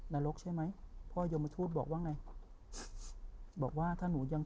รกใช่ไหมพ่อยมทูตบอกว่าไงบอกว่าถ้าหนูยัง